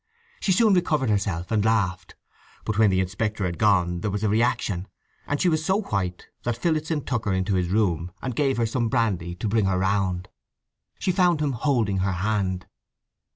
She soon recovered herself, and laughed; but when the inspector had gone there was a reaction, and she was so white that Phillotson took her into his room, and gave her some brandy to bring her round. She found him holding her hand.